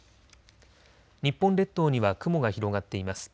日本列島には雲が広がっています。